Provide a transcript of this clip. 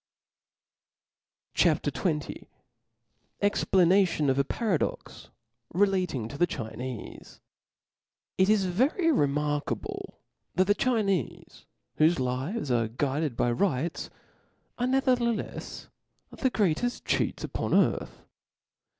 Qj^p. ^ CHAP. XX Explication ^ of a Paradox reiating to the Cbinefe. IT is very remarkable that the , Chinefc, whole lives are guided^by rites, are neverthelefs the greaceft cheats upon earth.